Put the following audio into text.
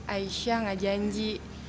aisyah gak janji